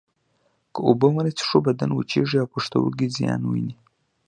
که اوبه ونه څښو بدن وچېږي او پښتورګي زیان ویني